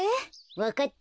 わかった。